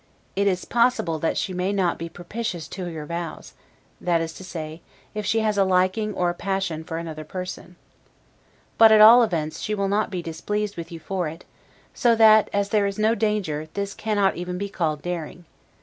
It is possible that she may not be propitious to your vows; that is to say, if she has a liking or a passion for another person. But, at all events, she will not be displeased with you for it; so that, as there is no danger, this cannot even be called daring.